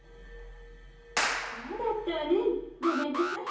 そうだったわねごめんなさい